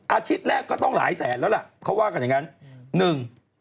อาทิตย์แรกก็ต้องหลายแสนแล้วล่ะเขาว่ากันอย่างงั้นหนึ่ง